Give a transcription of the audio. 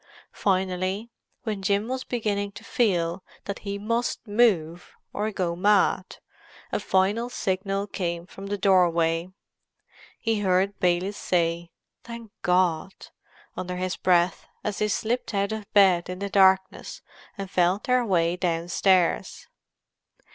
Finally, when Jim was beginning to feel that he must move, or go mad, a final signal came from the doorway. He heard Baylis say "Thank God!" under his breath, as they slipped out of bed in the darkness and felt their way downstairs.